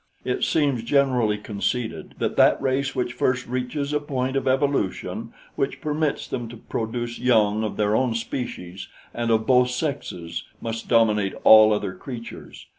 It seems generally conceded that that race which first reaches a point of evolution which permits them to produce young of their own species and of both sexes must dominate all other creatures.